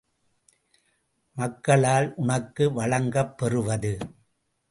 மக்களால் உனக்கு வழங்கப் பெறுவது!